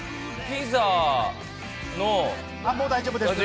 もう大丈夫です。